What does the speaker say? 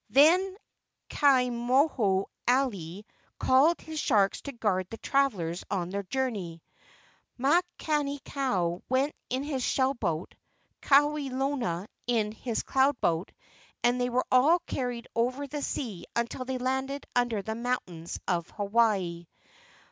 Then Ka moho alii called his sharks to guard the travellers on their journey. Makani kau went in his shell boat, Kawelona in his cloud boat, and they were all carried over the sea until they landed under the mountains of Hawaii.